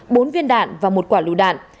bốn viên đạn và một quả lù đạn